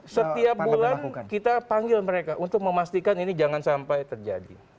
setiap bulan kita panggil mereka untuk memastikan ini jangan sampai terjadi